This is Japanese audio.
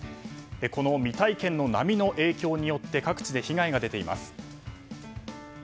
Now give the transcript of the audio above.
この未体験の波の影響によって各地で被害が出ています。